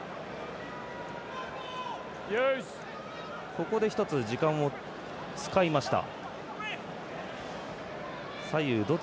ここで一つ、時間を使いました。